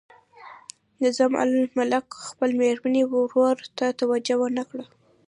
نظام الملک خپل میرني ورور ته توجه ونه کړه.